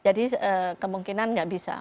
jadi kemungkinan gak bisa